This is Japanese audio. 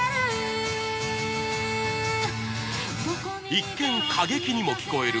一見過激にも聞こえる